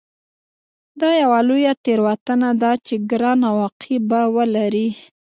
دا یوه لویه تېروتنه ده چې ګران عواقب به ولري